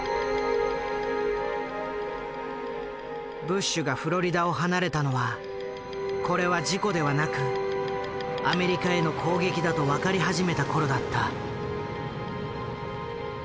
ブッシュがフロリダを離れたのはこれは事故ではなくアメリカへの攻撃だと分かり始めた頃だった。